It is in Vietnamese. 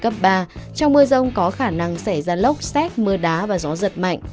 trong mưa rông có khả năng xảy ra lốc xét mưa đá và gió giật mạnh